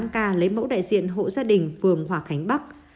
hai mươi tám ca lấy mẫu đại diện hộ gia đình phường hỏa khánh bắc